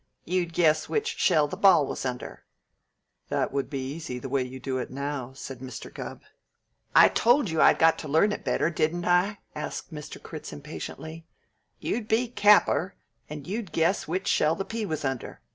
You'd guess which shell the ball was under " "That would be easy, the way you do it now," said Mr. Gubb. "I told you I'd got to learn it better, didn't I?" asked Mr. Critz impatiently. "You'd be capper, and you'd guess which shell the pea was under.